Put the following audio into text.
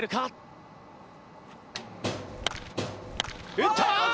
打った！